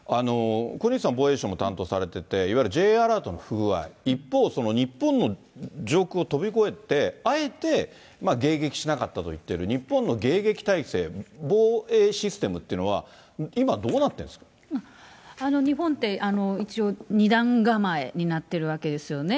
小西さん、防衛省も担当されてて、いわゆるＪアラートの不具合、一方、その日本の上空を飛び越えて、あえて迎撃しなかったと言ってる、日本の迎撃体制、防衛システムっていうのは、今、どうなってるん日本って、一応、２段構えになっているわけですよね。